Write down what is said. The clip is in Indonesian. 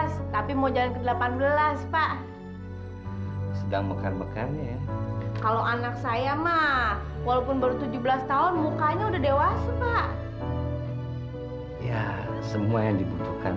stats mainan yang dapat memberikan